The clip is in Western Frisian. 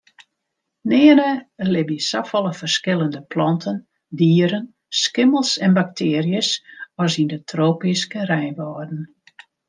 Nearne libje safolle ferskillende planten, dieren, skimmels en baktearjes as yn de tropyske reinwâlden.